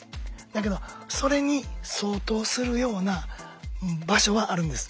だけどそれに相当するような場所はあるんです。